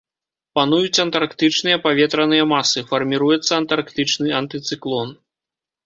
Пануюць антарктычныя паветраныя масы, фарміруецца антарктычны антыцыклон.